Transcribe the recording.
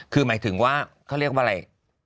คือหมายถึงว่าเขาเรียกว่าอะไร